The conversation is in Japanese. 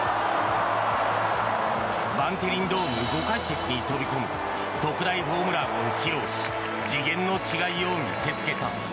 バンテリンドーム５階席に飛び込む特大ホームランを披露し次元の違いを見せつけた。